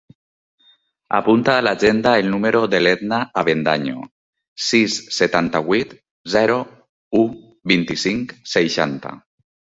Apunta a l'agenda el número de l'Edna Avendaño: sis, setanta-vuit, zero, u, vint-i-cinc, seixanta.